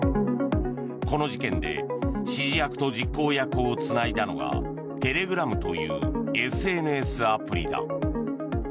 この事件で指示役と実行役をつないだのがテレグラムというＳＮＳアプリだ。